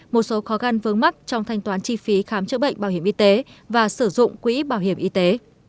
một số khó khăn vướng mắt trong thanh toán chi phí khám chữa bệnh bảo hiểm y tế và sử dụng quỹ bảo hiểm y tế